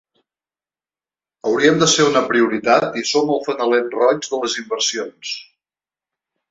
“Hauríem de ser una prioritat i som el fanalet roig en les inversions”.